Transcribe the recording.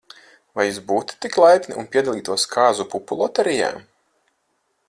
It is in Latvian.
Vai jūs būtu tik laipni, un piedalītos kāzu pupu loterijā?